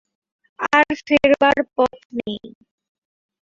আর ফেরবার পথ নেই।